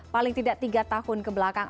paling tidak tiga tahun kebelakang